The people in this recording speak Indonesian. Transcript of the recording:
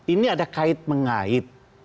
ini ada kait mengait